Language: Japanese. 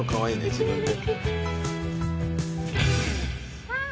自分で。